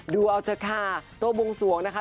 ดูเอาเถอะค่ะโต๊ะบวงสวงนะคะ